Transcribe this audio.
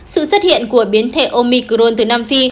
sự xuất hiện của biến thể omicron từ nam phi